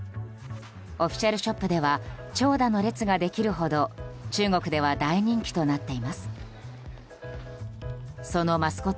オフィシャルショップでは長蛇の列ができるほど中国では大人気となっています。